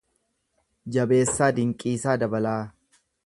Jabeessaa Dinqiisaa Dabalaa